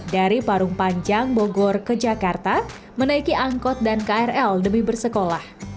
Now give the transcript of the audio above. dari parung panjang bogor ke jakarta menaiki angkot dan krl demi bersekolah